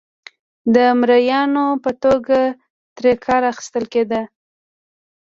د مریانو په توګه ترې کار اخیستل کېده.